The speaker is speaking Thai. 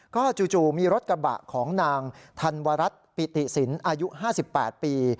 ก็จู่มีรถกระบะของนางธันวรัฐปิติสินอายุ๕๘ปี